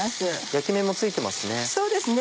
焼き目もついてますね。